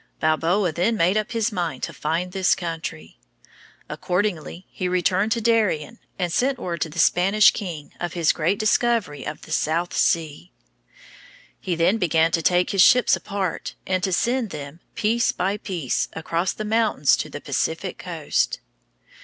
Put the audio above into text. Balboa then made up his mind to find this country. Accordingly he returned to Darien, and sent word to the Spanish king of his great discovery of the South Sea. He then began to take his ships apart, and to send them, piece by piece, across the mountains to the Pacific coast.